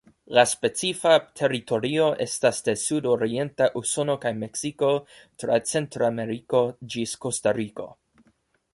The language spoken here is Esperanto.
La specifa teritorio estas de sudorienta Usono kaj Meksiko tra Centrameriko ĝis Kostariko.